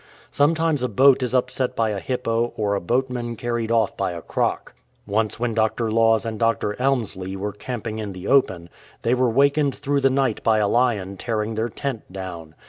Some times a boat is upset by a hippo or a boatman carried off by a croc. Once when Dr. Laws and Dr. Elmslie were camping in the open, they were wakened through the night by a lion tearing their tent down.